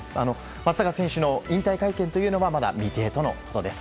松坂選手の引退会見はまだ未定とのことです。